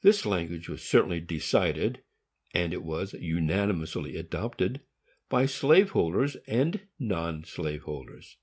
This language was surely decided, and it was unanimously adopted by slave holders and non slaveholders.